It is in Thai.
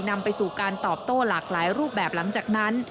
นำไปสู่การตอบโต้หลากหลายรูปแบบหลังจากนั้น